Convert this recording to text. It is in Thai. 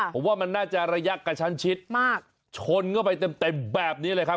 ผมว่ามันน่าจะระยะกระชั้นชิดมากชนเข้าไปเต็มเต็มแบบนี้เลยครับ